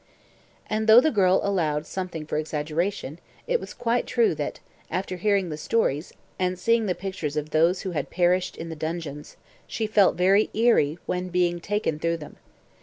And though the girl allowed something for exaggeration, it was quite true that, after hearing the stories, and seeing the pictures of those who had perished in the dungeons, she felt very eerie when being taken through them.